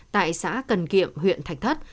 tại xã cần kiệm huyện thạch thất